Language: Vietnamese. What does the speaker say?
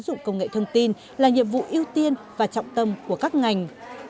đào tạo công nghệ thông tin là nhiệm vụ ưu tiên và trọng tâm của các ngành